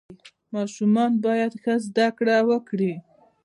ماشومان باید ښه زده کړه وکړي.